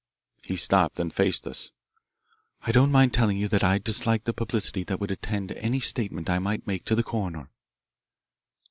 He stopped and faced us. "I don't mind telling you that I dislike the publicity that would attend any statement I might make to the coroner."